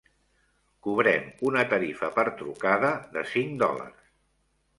Cobrem una tarifa per trucada de cinc dòlars.